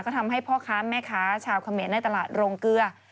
ก็ทำให้พ่อค้าแม่ค้าชาวเขมรในตลาดโรงเกลือ